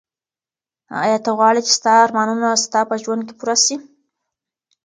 ایا ته غواړې چي ستا ارمانونه ستا په ژوند کي پوره سي؟